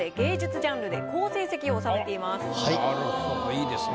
良いですね。